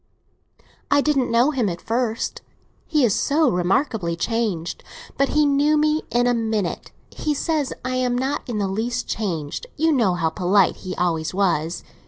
"I didn't know him at first; he is so remarkably changed. But he knew me in a minute. He says I am not in the least changed. You know how polite he always was.